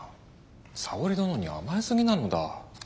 沙織殿に甘えすぎなのだ。